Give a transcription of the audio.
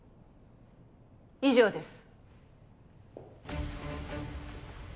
以上です。